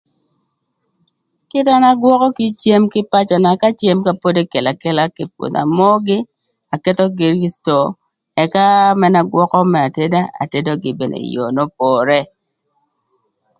Kite na an agwökö kï cëm kï pacöna ka cëm ka pod ekelo akela kï pwodho amogï akethogï ï cito ëka mëna agwökö më ateda agwökögï bene ï yoo n'opore.